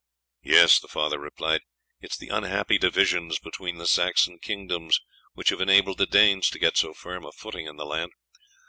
"Yes," the father replied, "it is the unhappy divisions between the Saxon kingdoms which have enabled the Danes to get so firm a footing in the land.